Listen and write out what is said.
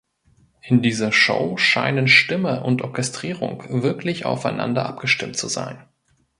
In dieser Show scheinen Stimme und Orchestrierung wirklich aufeinander abgestimmt zu sein.